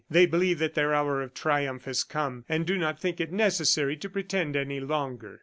"They believe that their hour of triumph has come, and do not think it necessary to pretend any longer."